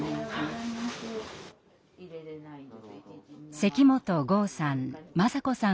関本剛さん雅子さん